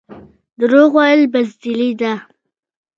دروغ ویل بزدلي ده